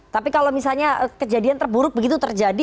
tapi kalau misalnya kejadian terburuk begitu terjadi